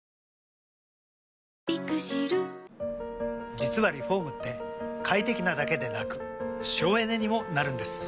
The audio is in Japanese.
実はリフォームって快適なだけでなく省エネにもなるんです。